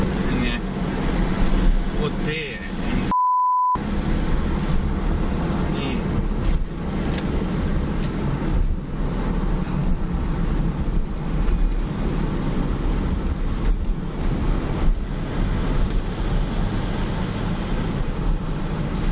นี่ไงโคตรเท่อ่ะไอ้